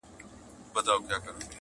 اورنګ دي اوس چپاو کوي پر پېغلو ګودرونو؛